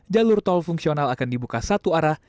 jalur tol fungsional akan dibuka satu arah